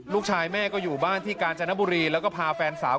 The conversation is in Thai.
ลูกชายแม่ก็อยู่บ้านที่กาญจนบุรีแล้วก็พาแฟนสาว